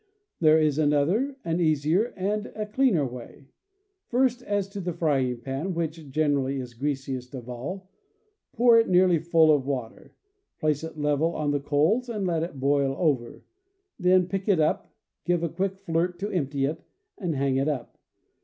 There is another, an easier, and a cleaner way : First, as to the frying pan, which generally is greasiest of all : pour it nearly full of water, place it level over the coals, and let it boil over. Then pick it up, give a quick flirt to empty it, and hang it up.